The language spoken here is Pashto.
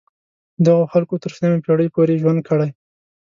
دغو خلکو تر شلمې پیړۍ پورې ژوند کړی.